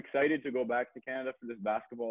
saya teruja untuk kembali ke kanada untuk peluang bola bola